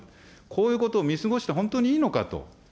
こういうことを見過ごして本当にいいのかと。